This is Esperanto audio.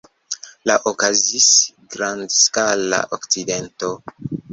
La okazis grandskala akcidento.